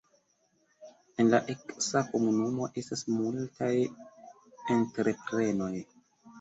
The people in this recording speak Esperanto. En la eksa komunumo estas multaj entreprenoj.